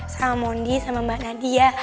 sama mondi sama mbak nadia